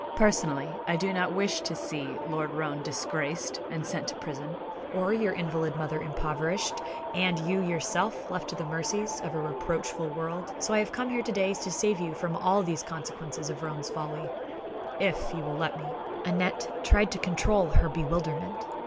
Personally, I do not wish to see Lord Roane disgraced and sent to prison, or your invalid mother impoverished, and you, yourself, left to the mercies of a reproachful world; so I have come here to day to save you all from these consequences of Roane's folly, if you will let me." Aneth tried to control her bewilderment.